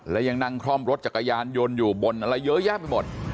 และยังนั่งคล่อมรถจักรยานยนต์อยู่บนอะไรเยอะแยะไปหมด